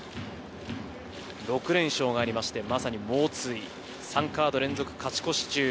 ６連勝がありましてまさに猛追、３カード連続勝ち越し中。